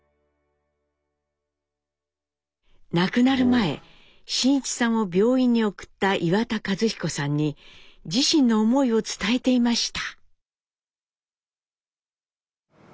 亡くなる前真一さんを病院に送った岩田和彦さんに自身の思いを伝えていました。